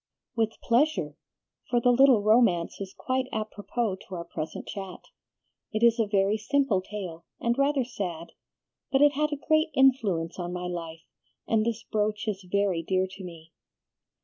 "With pleasure, for the little romance is quite apropos to our present chat. It is a very simple tale, and rather sad, but it had a great influence on my life, and this brooch is very dear to me."